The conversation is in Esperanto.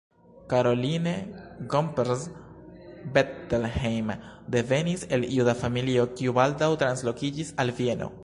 Caroline Gomperz-Bettelheim devenis el juda familio, kiu baldaŭ translokiĝis al Vieno.